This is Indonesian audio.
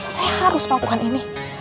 saya harus melakukan ini